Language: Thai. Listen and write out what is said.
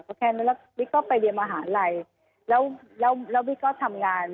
แค่นั้นแหละวิกก็ไปเรียนมหาลัยแล้วแล้วแล้ววิกก็ทำงาน